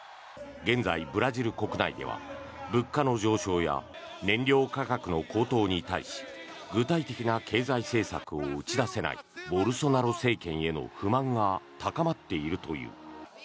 現在、ブラジル国内では物価の上昇や燃料価格の高騰に対し具体的な経済政策を打ち出せないボルソナロ政権への不満が高まっているという。